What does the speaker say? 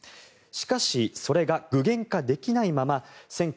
しかしそれが具現化できないまま